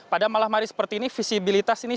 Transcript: pada malam hari seperti ini visibilitas ini